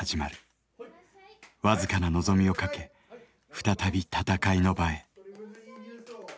僅かな望みをかけ再び戦いの場へ。